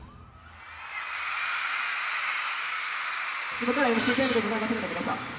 今からＭＣタイムでございますので皆さん。